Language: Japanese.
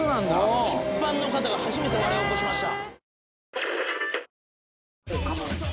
一般の方が初めて笑いを起こしました。